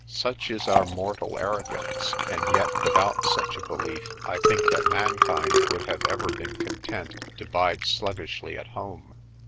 Such is our mortal arrogance, and yet without such a belief I think that mankind would have ever been content to bide sluggishly at home.